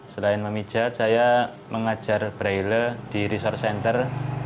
selain memijat saya mengajar braille di resource center